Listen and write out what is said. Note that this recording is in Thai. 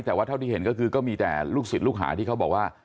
แต่ว่าเท่าที่เห็นก็คือก็มีแต่ลูกศิษย์ลูกหาที่เขาบอกว่า